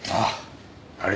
ああ。